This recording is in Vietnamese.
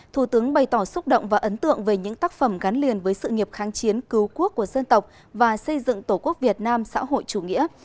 thủ tướng bày tỏ xúc động và ấn tượng về những tác phẩm gắn liền với sự nghiệp kháng chiến cứu quốc của dân tộc và xây dựng tổ quốc việt nam xã hội chủ nghĩa